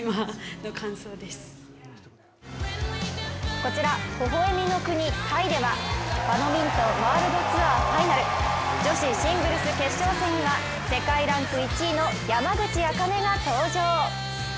こちらほほ笑みの国タイではバドミントンワールドツアーファイナル女子シングルス決勝戦には世界ランク１位の山口茜が登場。